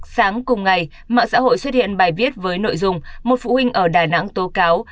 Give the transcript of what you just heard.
sáng cùng ngày mạng xã hội xuất hiện bài viết với nội dung một phụ huynh ở đà nẵng tố cáo